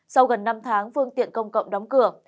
sau gần năm tháng phương tiện công cộng đóng cửa